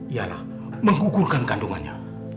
ialah menggugurkan kandungannya